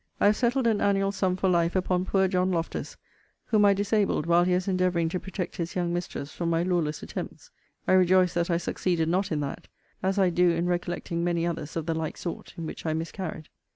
I have settled an annual sum for life upon poor John Loftus, whom I disabled while he was endeavouring to protect his young mistress from my lawless attempts. I rejoice that I succeeded not in that; as I do in recollecting many others of the like sort, in which I miscarried.